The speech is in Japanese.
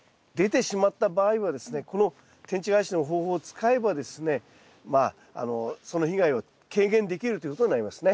この天地返しの方法を使えばですねまあその被害は軽減できるということになりますね。